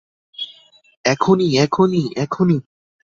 এখনই, এখনই, এখনই।